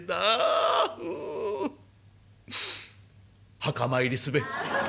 墓参りすべ。